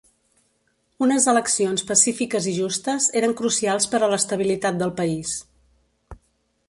Unes eleccions pacífiques i justes eren crucials per a l'estabilitat del país.